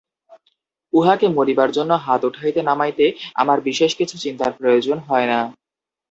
উহাকে মারিবার জন্য হাত উঠাইতে নামাইতে আমার বিশেষ কিছু চিন্তার প্রয়োজন হয় না।